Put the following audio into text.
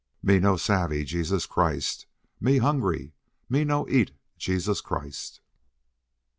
"Me no savvy Jesus Christ. Me hungry. Me no eat Jesus Christ!"